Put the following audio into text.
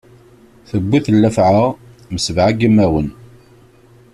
Tewwi-t llefɛa, m sebɛa yimawen.